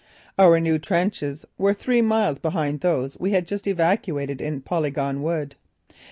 Our new trenches were three miles behind those we had just evacuated in Polygon Wood.